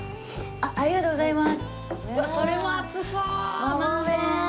ありがとうございます。